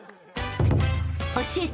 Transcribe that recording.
［教えて！